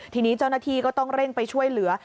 ทีนี้เจ้าหน้าที่ก็ต้องเร่งไปช่วยเหลือ